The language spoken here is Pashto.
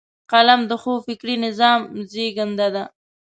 قلم د ښو فکري نظام زیږنده ده